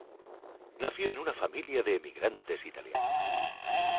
Nació en una familia de emigrantes italianos.